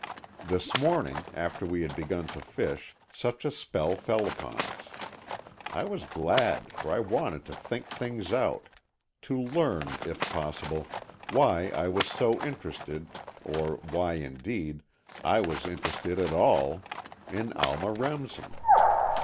This morning, after we had begun to fish, such a spell fell upon us. I was glad, for I wanted to think things out; to learn, if possible, why I was so interested, or why, indeed, I was interested at all, in Alma Remsen.